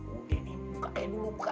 udah buka dulu